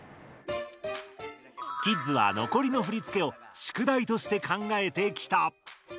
キッズは残りの振付を宿題として考えてきた。